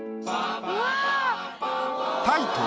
タイトル